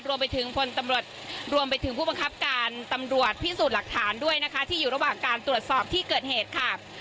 รวมไปถึงพลตำรวจรวมไปถึงผู้บังคับการตำรวจพิสูจน์หลักฐานด้วยนะคะที่อยู่ระหว่างการตรวจสอบที่เกิดเหตุค่ะ